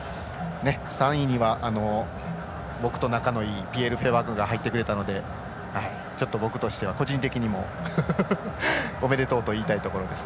３位には、僕と仲のいいピエール・フェアバンクが入ってくれたのでちょっと僕としては個人的にもおめでとうと言いたいところです。